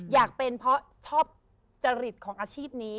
อยากเป็นเพราะชอบจริตของอาชีพนี้